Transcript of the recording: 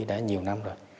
đã nhiều năm rồi